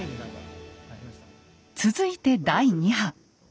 続いて第２波。